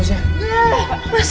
aku benar benar kecil lah